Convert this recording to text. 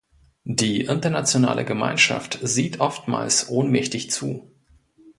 Die internationale Gemeinschaft sieht oftmals ohnmächtig zu.